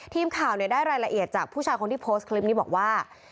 ทีมข่าวได้รายละเอียดจากผู้ชายคนที่โพสต์คลิปนี้บอกว่า